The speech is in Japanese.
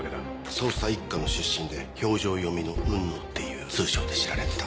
捜査一課の出身で「表情読みの雲野」っていう通称で知られてた。